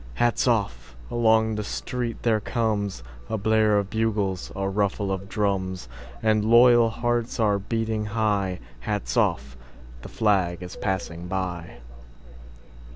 Hats off! Along the street there comesA blare of bugles, a ruffle of drums; And loyal hearts are beating high:Hats off! The flag is passing by!